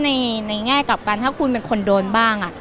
ในแง่กลับกันถ้าคุณเป็นคนโดนบ้าง